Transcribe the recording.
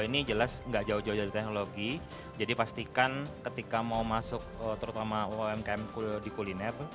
dua ribu dua ini jelas gak jauh jauh dari teknologi jadi pastikan ketika mau masuk terutama umkm di kuliner